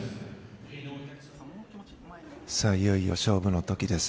いよいよ勝負の時です。